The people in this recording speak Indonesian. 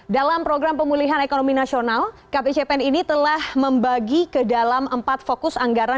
dalam program pemulihan ekonomi nasional kpcpen ini telah membagi ke dalam empat fokus anggaran